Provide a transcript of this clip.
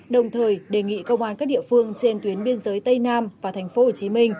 đồng thời đề nghị công an các địa phương trên tuyến biên giới tây nam và tp hcm